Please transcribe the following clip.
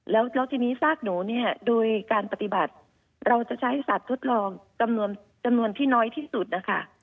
แล้วทีนี้ซากหนูเนี่ยโดยการปฏิบัติเราจะใช้สัตว์ทดลองจำนวนที่น้อยที่สุดนะคะ